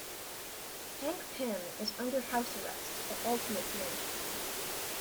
Hank Pym is under house arrest at Ultimates Mansion.